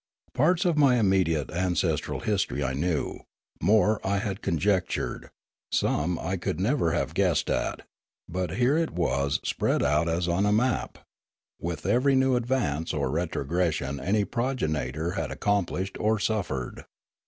Parts of my immediate ancestral history I knew, more I had conjectured, some I could never have guessed at ; but here it was spread out as on a map, with every new advance or retrogression any progenitor had accomplished or suffered.